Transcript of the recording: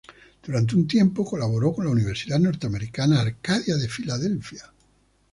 Durante un tiempo, colaboró con la Universidad norteamericana Arcadia de Filadelfia.